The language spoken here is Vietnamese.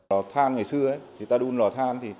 lò than ngày xưa ta đun lò than